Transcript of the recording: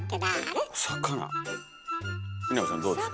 南さんどうですか？